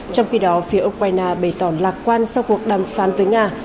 trong khi đó phía ukraine bày tỏ lạc quan sau cuộc đàm phán với nga